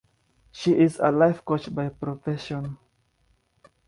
She is a life coach by profession.